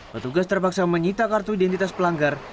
petugas terpaksa menyita kartu identitas pelanggar